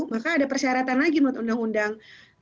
maka ada persyaratan lagi menurut undang undang